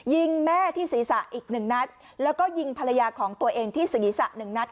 ยิงแม่ที่ศีรษะอีกหนึ่งนัดแล้วก็ยิงภรรยาของตัวเองที่ศีรษะหนึ่งนัด